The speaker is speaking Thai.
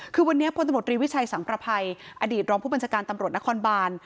คือวันนี้พลตำรวจรีวิชัยสังประภัยอดีตรองผู้บัญชาการตำรวจนครบาน